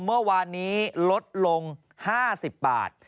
เมื่อวานนี้ลดลง๕๐บาท